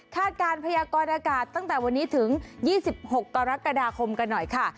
คาดการณ์พยากรอากาศตั้งแต่วันนี้ถึงยี่สิบหกตอนรักษณะคมกันหน่อยค่ะ